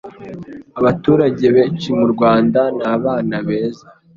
abaturage benshi mu Rwanda nabana beza